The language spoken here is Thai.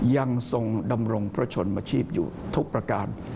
ยังทรงดำรงพระชนมชีพอยู่ทุกประการ